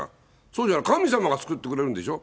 そうじゃない、神様が救ってくれるんでしょ。